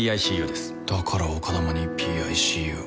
だから丘珠にＰＩＣＵを。